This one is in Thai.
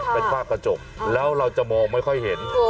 เป็นฝ้ากระจกแล้วเราจะมองไม่ค่อยเห็น